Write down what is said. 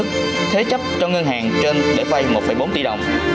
thế chấp cho ngân hàng trên để vay một bốn tỷ đồng